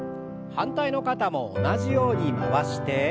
反対の肩も同じように回して。